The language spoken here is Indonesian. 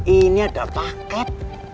ini ada paket